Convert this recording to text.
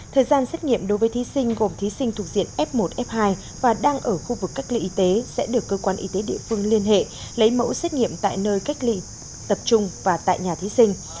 thời gian xét nghiệm đối với thí sinh gồm thí sinh thuộc diện f một f hai và đang ở khu vực cách ly y tế sẽ được cơ quan y tế địa phương liên hệ lấy mẫu xét nghiệm tại nơi cách ly tập trung và tại nhà thí sinh